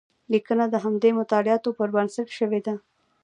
لیکنه د همدې مطالعاتو پر بنسټ شوې ده.